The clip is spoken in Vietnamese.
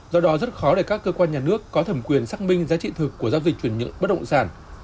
do đó rất khó để các cơ quan nhà nước có thẩm quyền xác minh giá trị thực của giao dịch chuyển nhượng bất động sản